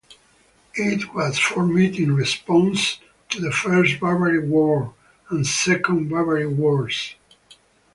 It was formed in response to the First Barbary War and Second Barbary Wars.